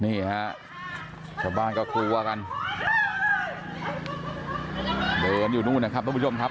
นี่ฮะชาวบ้านก็กลัวกันเดินอยู่นู่นนะครับทุกผู้ชมครับ